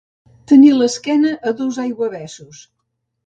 Tenir l'esquena a dos aiguavessos.